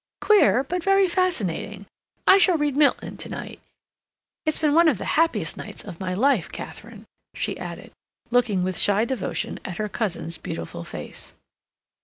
"Queer, but very fascinating. I shall read Milton to night. It's been one of the happiest nights of my life, Katharine," she added, looking with shy devotion at her cousin's beautiful face.